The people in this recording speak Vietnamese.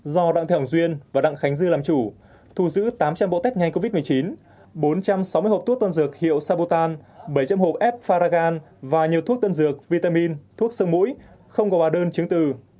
do đặng thế hồng duyên và đặng khánh dư làm chủ thu giữ tám trăm linh bộ test nhanh covid một mươi chín bốn trăm sáu mươi hộp thuốc tân dược hiệu sabotan bảy trăm linh hộp f faragan và nhiều thuốc tân dược vitamin thuốc sơ mũi không có bà đơn chứng từ